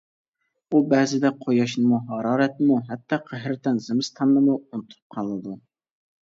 ئۇ بەزىدە قۇياشنىمۇ، ھارارەتنىمۇ، ھەتتا قەھرىتان زىمىستاننىمۇ ئۇنتۇپ قالىدۇ.